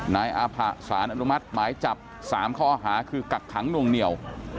อนุมัติหมายจับ๓ข้ออาหารคือกักขังนวงเหนียว